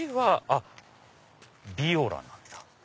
あっビオラなんだ。